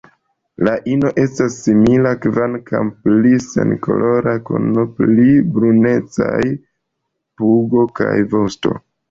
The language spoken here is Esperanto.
La ino estas simila, kvankam pli senkolora kun pli brunecaj pugo kaj vosto.